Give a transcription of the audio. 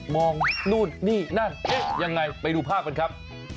มองนู่นนี่นั่นเอ๊ะยังไงไปดูภาพกันครับ